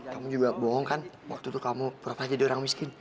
kamu juga bohong kan waktu itu kamu berapa aja diorang miskin